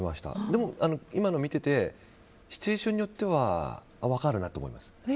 でも今の見ててシチュエーションによっては分かるなと思います。